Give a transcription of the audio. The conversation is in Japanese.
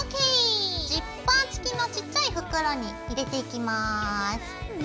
ジッパー付きのちっちゃい袋に入れていきます。